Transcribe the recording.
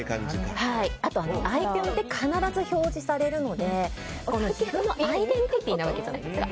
あと、アイコンって必ず表示されるので自分のアイデンティティーなわけじゃないですか。